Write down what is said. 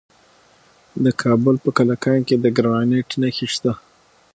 د کابل په کلکان کې د ګرانیټ نښې شته.